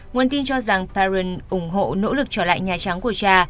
nguồn tin cho rằng tarin ủng hộ nỗ lực trở lại nhà trắng của cha